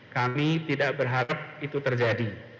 kami tidak berharap itu terjadi